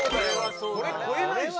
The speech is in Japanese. これ超えないでしょ。